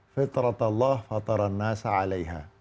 fitratallah fataran nasa alaiha